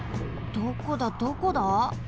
どこだどこだ？